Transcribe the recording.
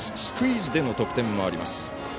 スクイズでの得点もあります。